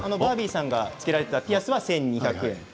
先ほどバービーさんがつけられていたピアスは１２００円。